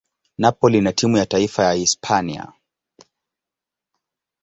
Napoli na timu ya taifa ya Hispania.